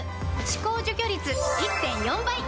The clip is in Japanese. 歯垢除去率 １．４ 倍！